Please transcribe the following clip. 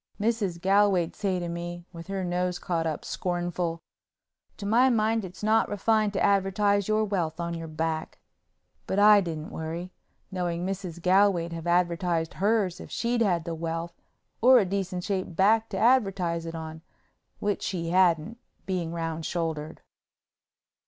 Mrs. Galway'd say to me, with her nose caught up, scornful, "To my mind it's not refined to advertise your wealth on your back." But I didn't worry, knowing Mrs. Galway'd have advertised hers if she'd had the wealth or a decent shaped back to advertise it on, which she hadn't, being round shouldered.